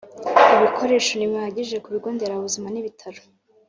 Ibikoresho ntibihagije ku bigonderabuzima nibitaro